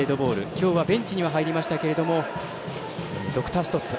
今日はベンチには入りましたけどドクターストップ。